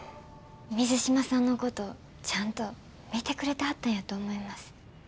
水島さんのことちゃんと見てくれてはったんやと思います。